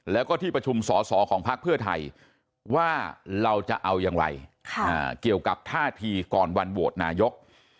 แล้วก็ที่ประชุมสอสอของพักเพื่อไทยว่าเราจะเอาอย่างไรเกี่ยวกับท่าทีก่อนวันโหวตนายก